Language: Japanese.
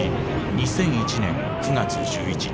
２００１年９月１１日。